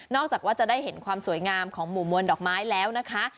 จากว่าจะได้เห็นความสวยงามของหมู่มวลดอกไม้แล้วนะคะ